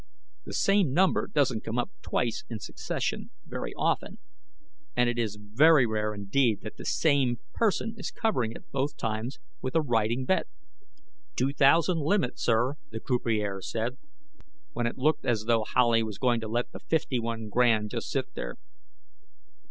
The same number doesn't come up twice in succession very often, and it is very rare indeed that the same person is covering it both times with a riding bet. "Two thousand limit, sir," the croupier said, when it looked as though Howley was going to let the fifty one grand just sit there.